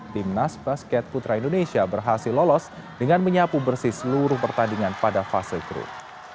timnas basket putra indonesia berhasil lolos dengan menyapu bersih seluruh pertandingan pada fase grup